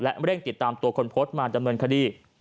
และเร่งติดตามตัวคนโพสต์มาดำเนินคดี